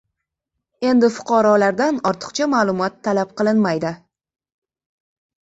Endi fuqarolardan ortiqcha ma’lumot talab qilinmaydi